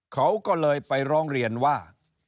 เขาก็เลยไปร้องเรียนว่า